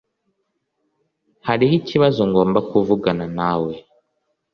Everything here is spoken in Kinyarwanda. Hariho ikibazo ngomba kuvugana nawe.